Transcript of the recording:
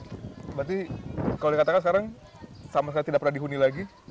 berarti kalau dikatakan sekarang sama sekali tidak pernah dihuni lagi